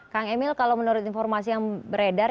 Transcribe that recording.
kang emil kalau menurut informasi yang beredar